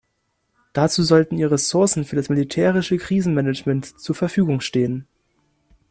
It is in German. Dazu sollten ihr Ressourcen für das militärische Krisenmanagement zur Verfügung stehen.